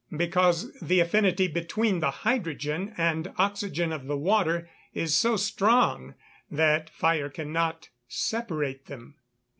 _ Because the affinity between the hydrogen and oxygen of the water is so strong that fire cannot separate them.